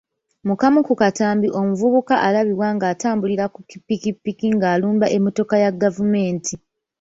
Mu kamu ku katambi omuvubuka alabibwa ng’atambulira ki ppikipiki ng’alumba emmotoka ya gavumenti.